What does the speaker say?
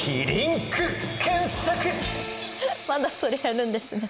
まだそれやるんですね。